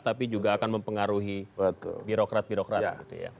tapi juga akan mempengaruhi birokrat birokrat